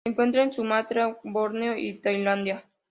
Se encuentra en Sumatra, Borneo y Tailandia.